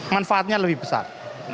manfaatnya lebih besar